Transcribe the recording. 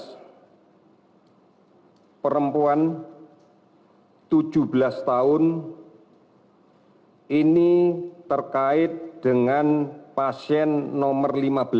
nomor enam belas perempuan tujuh belas tahun ini terkait dengan pasien nomor lima belas